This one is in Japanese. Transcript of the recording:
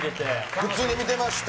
普通に見てました。